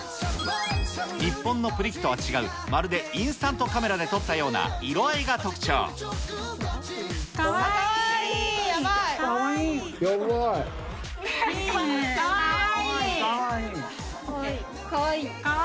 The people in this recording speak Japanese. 日本のプリ機とは違う、まるでインスタントカメラで撮ったような、かわいいー。